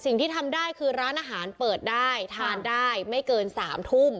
สิ่งที่ทำได้คือร้านอาหารเปิดได้ทานได้ไม่เกิน๓ทุ่ม